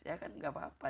ya kan gak apa apa